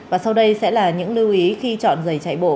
và sau đây sẽ là những lưu ý khi chọn giày chạy bộ